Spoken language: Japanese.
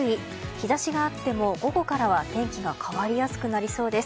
日差しがあっても午後からは天気が変わりやすくなりそうです。